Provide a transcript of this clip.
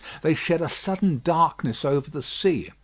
They shed a sudden darkness over the sea.